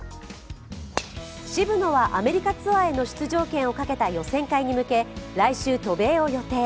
渋野はアメリカツアーへの出場権をかけた予選に向けて来週、渡米を予定。